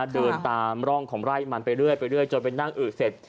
เดินตามร่องของไร่มันไปเรื่อยจนไปนั่งอืดเสร็จ